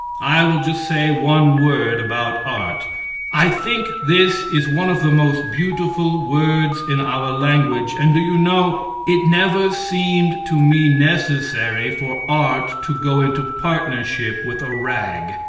I will just say one word about art. I think this is one of the most beautiful words in our language, and do you know, it never seemed to me necessary for art to go into partnership with a rag?